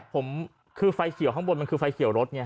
ผมคือไฟเขียวข้างบนมันคือไฟเขียวรถไง